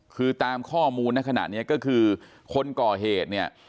คือตามข้อมูลในขณะนี้ก็คือคนก่อเหตุเนี่ย